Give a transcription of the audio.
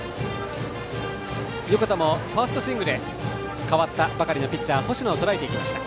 横田もファーストスイングで代わったばかりのピッチャー星名をとらえていました。